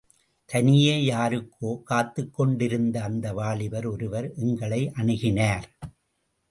தனியே, யாருக்கோ காத்துக் கொண்டிருந்த அந்த வாலிபர் ஒருவர் எங்களை அணுகினார்.